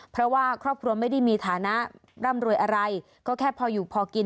เพราะว่าครอบครัวไม่ได้มีฐานะร่ำรวยอะไรก็แค่พออยู่พอกิน